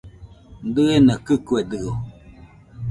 Diena kɨkuedɨo